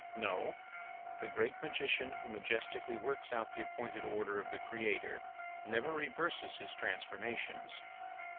No; the great magician who majestically works out the appointed order of the Creator, never reverses his transformations.